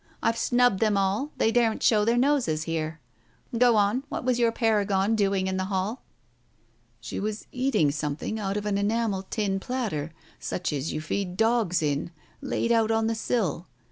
I've snubbed them all, they daren't show their noses here. Go on. What was your paragon doing in the hall ?" "She was eating something out of an enamel tin platter such as you feed dogs in, laid on the sill.